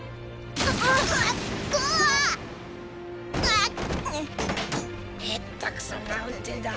あっ！